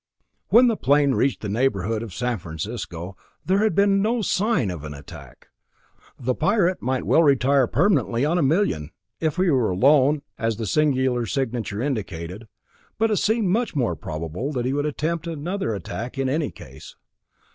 When the plane reached the neighborhood of San Francisco, there had been no sign of an attack. The Pirate might well retire permanently on a million, if he were alone, as the singular signature indicated; but it seemed much more probable that he would attempt another attack in any case.